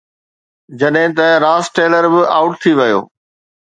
جڏهن ته Ross Taylor به آئوٽ ٿي ويو.